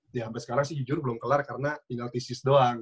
sampai sekarang sih jujur belum kelar karena tinggal ticis doang